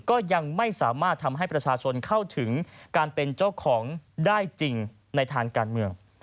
ก็ยังไม่สามารถทำให้ประชาชนเข้าถึงการเป็นเจ้าของได้จริงในทางการเมือง